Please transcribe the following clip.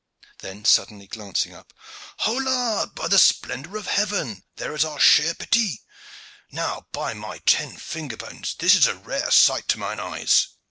Then suddenly glancing up, "Hola, by the splendor of heaven, here is our cher petit! Now, by my ten finger bones! this is a rare sight to mine eyes."